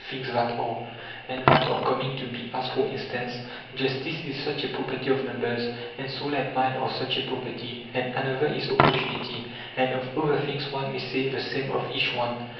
things that are and that are coming to be, as, for instance, justice is such a property of numbers, and soul and mind are PYTHAGORAS AND THE PYTHAGOREANS 137 such a property, and another is opportunity, and of other things one may say the same of each one.